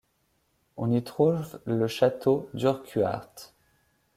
On y trouve le Château d'Urquhart.